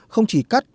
không chỉ cắt